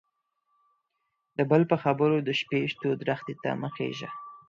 د بل په خبرو د شپيشتو درختي ته مه خيژه.